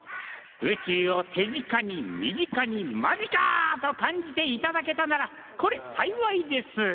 宇宙を手近に身近にマジか！と感じていただけたならこれ幸いです。